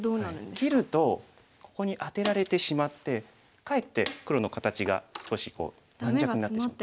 切るとここにアテられてしまってかえって黒の形が少し軟弱になってしまう。